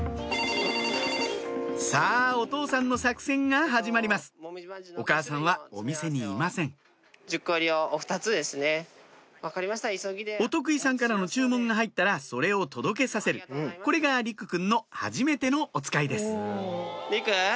さぁお父さんの作戦が始まりますお母さんはお店にいませんお得意さんからの注文が入ったらそれを届けさせるこれが莉来くんのはじめてのおつかいです莉来。